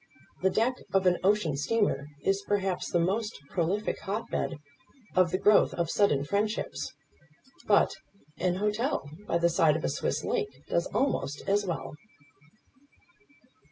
The deck of an ocean steamer is perhaps the most prolific hotbed of the growth of sudden friendships; but an hotel by the side of a Swiss lake does almost as well.